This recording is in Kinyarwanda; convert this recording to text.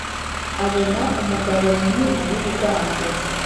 abona umugabo munini wibigango